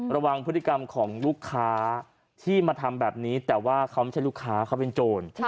ระวังพฤติกรรมของลูกค้าที่มาทำแบบนี้แต่ว่าเขาไม่ใช่ลูกค้าเขาเป็นโจร